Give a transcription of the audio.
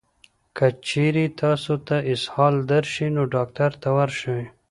که چېرې تاسو ته اسهال درشي، نو ډاکټر ته ورشئ.